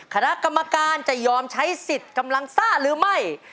คณะกรรมการจะยอมใช้สิทธิ์กำลังซ่าหรือไม่